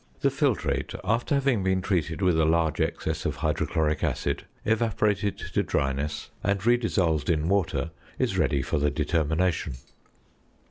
The filtrate, after having been treated with a large excess of hydrochloric acid, evaporated to dryness, and re dissolved in water, is ready for the determination.